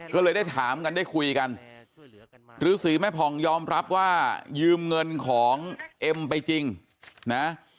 ก็เลยได้ถามกันได้คุยกันฤษีแม่ผ่องยอมรับว่ายืมเงินของเอ็มไปจริงนะ